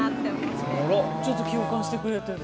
ちょっと共感してくれてる。